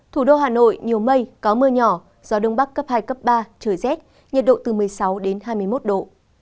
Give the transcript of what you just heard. thủ đô hà nội nhiều mây có mưa nhỏ gió đông bắc cấp hai cấp ba trời rét nhiệt độ từ một mươi sáu đến hai mươi một độ